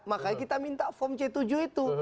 makanya kita minta form c tujuh itu